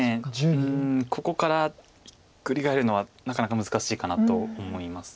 うんここからひっくり返るのはなかなか難しいかなと思います。